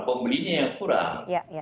pembelinya yang kurang